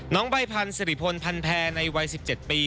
น้องใบพันธุ์สิริพลพันธุ์แพ้ในวัย๑๗ปี